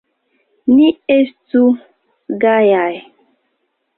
Ni estu gajaj!